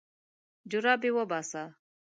جرابې وباسه.